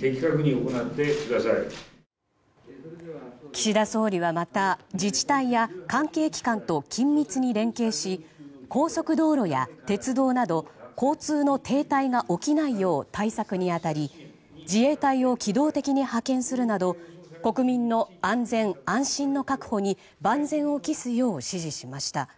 岸田総理はまた、自治体や関係機関と緊密に連携し高速道路や鉄道など交通の停滞が起きないよう対策に当たり自衛隊を機動的に派遣するなど国民の安全・安心の確保に万全を期すよう指示しました。